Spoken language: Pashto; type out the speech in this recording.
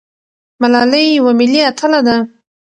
ملالۍ یوه ملي اتله ده.